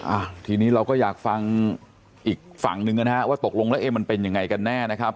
อ่ะทีนี้เราก็อยากฟังอีกฝั่งหนึ่งนะฮะว่าตกลงแล้วเอ๊มันเป็นยังไงกันแน่นะครับ